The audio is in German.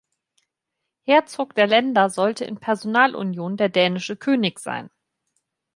Herzog der Länder sollte in Personalunion der dänische König sein.